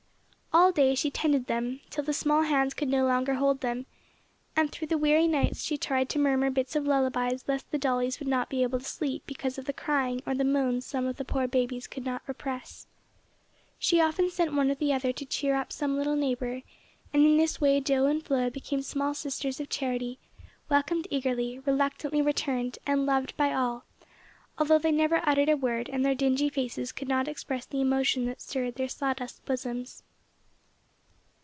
All day she tended them till the small hands could no longer hold them, and through the weary nights she tried to murmur bits of lullabies lest the dollies would not be able to sleep because of the crying or the moans some of the poor babies could not repress. She often sent one or the other to cheer up some little neighbor, and in this way Do and Flo became small sisters of charity, welcomed eagerly, reluctantly returned, and loved by all, although they never uttered a word and their dingy faces could not express the emotion that stirred their saw dust bosoms.